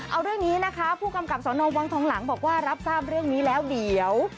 เอาเรื่องนี้นะคะผู้กำกับสนวังทองหลังบอกว่ารับทราบเรื่องนี้แล้วเดี๋ยว